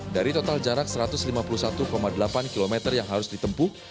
dari total jarak satu ratus lima puluh satu delapan km yang harus ditempuh